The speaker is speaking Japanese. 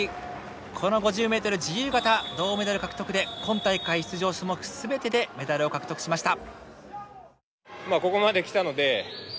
この５０ｍ自由形銅メダル獲得で今大会出場種目全てでメダルを獲得しました。